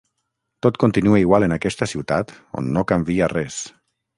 Tot continua igual en aquesta ciutat on no canvia res.